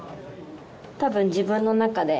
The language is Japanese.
多分自分の中で